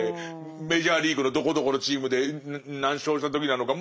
メジャーリーグのどこどこのチームで何勝した時なのか。